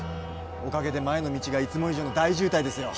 おかげで前の道がいつも以上の大渋滞ですよ